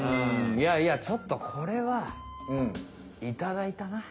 いやいやちょっとこれはいただいたな。